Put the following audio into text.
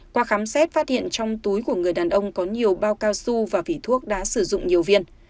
qua khám xét phát hiện trong túi của người đàn ông có nhiều bao cao su và vỉ thuốc đã sử dụng nhiều viên